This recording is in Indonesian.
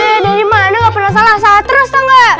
eh dari mana nggak pernah salah salah terus tuan nget